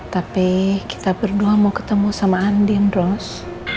tapi kita berdua mau ketemu sama andien ros